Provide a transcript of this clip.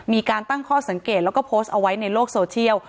มีการตั้งข้อสังเกตแล้วก็โพสต์เอาไว้ในโลกโซเชียล